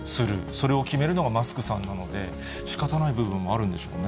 それを決めるのがマスクさんなので、しかたない部分もあるんでしょうね。